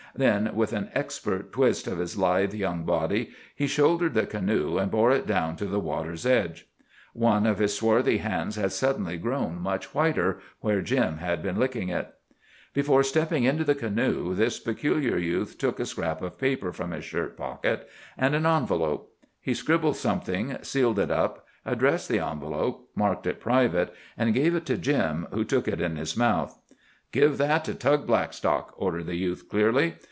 Then, with an expert twist of his lithe young body, he shouldered the canoe and bore it down to the water's edge. One of his swarthy hands had suddenly grown much whiter, where Jim had been licking it. Before stepping into the canoe, this peculiar youth took a scrap of paper from his shirt pocket, and an envelope. He scribbled something, sealed it up, addressed the envelope, marked it "private," and gave it to Jim, who took it in his mouth. "Give that to Tug Blackstock," ordered the youth clearly.